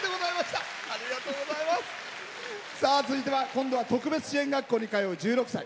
続いては特別支援学校に通う１６歳。